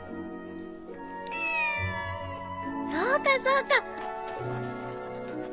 ミャそうかそうか！